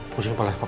pusing pa pa ya